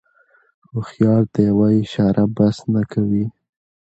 هوښیار ته یوه اشاره بسنه کوي.